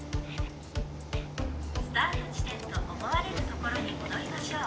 「スタート地点と思われるところに戻りましょう」。